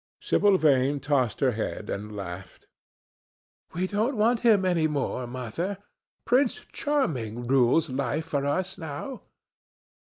Sibyl Vane tossed her head and laughed. "We don't want him any more, Mother. Prince Charming rules life for us now."